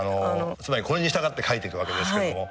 つまりこれに従って書いていくわけですけども。